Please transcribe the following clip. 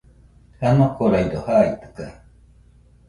Janokoraɨdo jaitɨkaɨ.